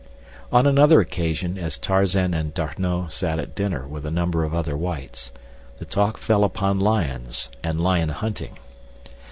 On another occasion as Tarzan and D'Arnot sat at dinner with a number of other whites, the talk fell upon lions and lion hunting.